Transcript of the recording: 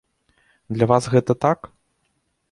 Для вас гэта так?